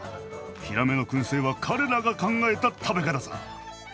ヒラメの燻製は彼らが考えた食べ方さ。